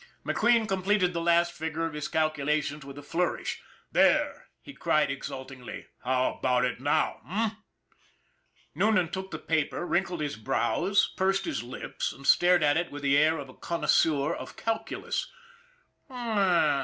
McQueen completed the last figure of his calcula tion with a flourish. " There !" he cried exultingly. " How about it now, eh? " Noonan took the paper, wrinkled his brows, pursed his lips, and stared at it with the air of a connoisseur of calculus.